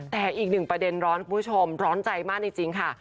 แต่อีกหนึ่งประเด็นร้อนคุณผู้ชมร้อนใจมากจริงค่ะ